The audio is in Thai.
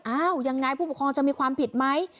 อ้าวยังไงผู้ปกครองจะมีความผิดไหม